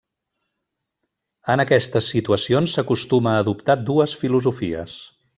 En aquestes situacions s'acostuma a adoptar dues filosofies.